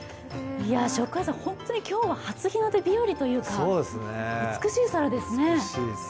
ＳＨＯＣＫＥＹＥさん、本当に今日は初日の出日和というか美しい空ですね。